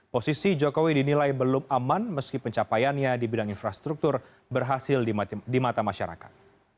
posisi jokowi dinilai belum aman meski pencapaiannya di bidang infrastruktur berhasil di mata masyarakat